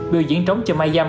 biểu diễn trống chờ mai dâm